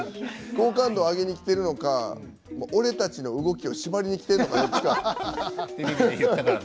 好感度を上げにきているのか俺たちの動きを縛りにきているのか。